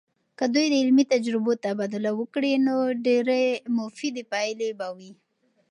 که دوی د علمي تجربو تبادله وکړي، نو ډیرې مفیدې پایلې به وي.